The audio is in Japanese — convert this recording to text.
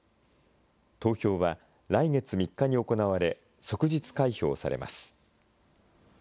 投票は来月３日に行われ、即日開票されます。